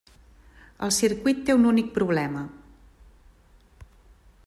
El circuit té un únic problema.